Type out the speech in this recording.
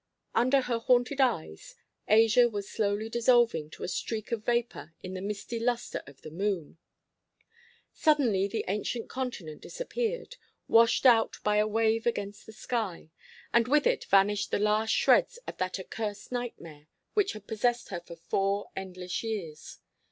Under her haunted eyes Asia was slowly dissolving to a streak of vapour in the misty lustre of the moon. Suddenly the ancient continent disappeared, washed out by a wave against the sky; and with it vanished the last shreds of that accursed nightmare which had possessed her for four endless years.